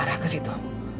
arah ke situ